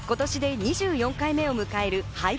今年で２４回目を迎える俳句